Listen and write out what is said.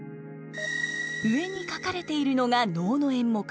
上に書かれているのが能の演目。